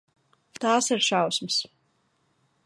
Tās ir šausmas.